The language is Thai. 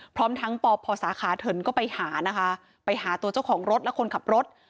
พร้อมทั้งปพสาขาเถินก็ไปหานะคะไปหาตัวเจ้าของรถและคนขับรถ